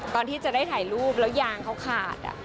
ตอนที่จะได้ถ่ายรูปแล้วยางเขาขาด